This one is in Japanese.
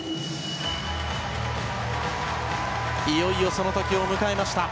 いよいよその時を迎えました。